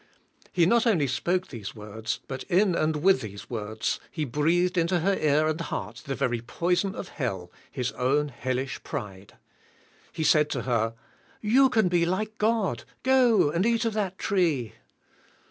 He not only spoke these words, but "in and with these words he breathed into her ear and heart the very poison of hell, . his own hellish pride. He said to her, "You can be like God, go and eat of that tree."